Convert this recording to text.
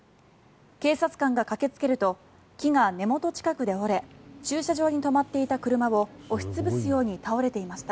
警察官が駆けつけると木が根元近くで折れ駐車場に止まっていた車を押し潰すように倒れていました。